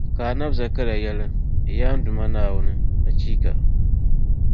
Ka Annabi Zakariya yεli: Yaa n Duuma Naawuni! Achiiika!